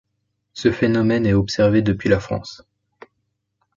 Ce phénomène est observé depuis la France.